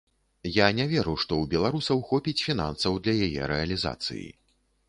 Я не веру, што ў беларусаў хопіць фінансаў для яе рэалізацыі.